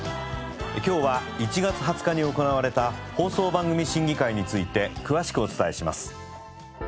今日は１月２０日に行われた放送番組審議会について詳しくお伝えします。